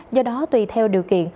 do đó tùy theo điều kiện